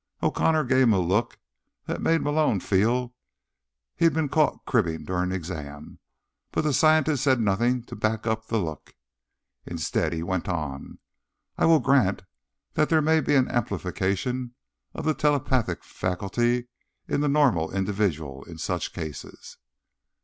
O'Connor gave him a look that made Malone feel he'd been caught cribbing during an exam, but the scientist said nothing to back up the look. Instead he went on: "I will grant that there may be an amplification of the telepathic faculty in the normal individual in such cases."